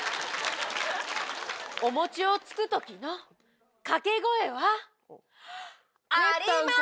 お餅をつく時のかけ声はあります！